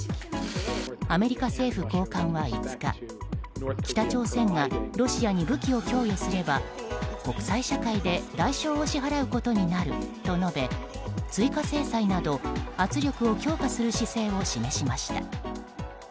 アメリカ政府高官は５日北朝鮮がロシアに武器を供与すれば国際社会で代償を支払うことになると述べ追加制裁など圧力を強化する姿勢を示しました。